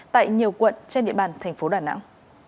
tại nhiều quận trên địa bàn tp đà nẵng